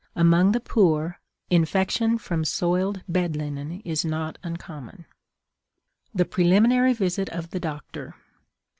Among the poor, infection from soiled bed linen is not uncommon. THE PRELIMINARY VISIT OF THE DOCTOR.